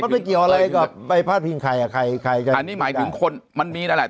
ไม่เกี่ยวอะไรกับไปพาดพิงใครอ่ะใครใครกันอันนี้หมายถึงคนมันมีนั่นแหละ